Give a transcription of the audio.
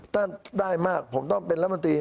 ถ้าได้มากผมต้องเป็นรัฐมนตรี